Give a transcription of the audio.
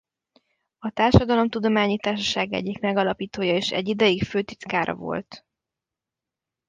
A Társadalomtudományi Társaság egyik megalapítója és egy ideig főtitkára volt.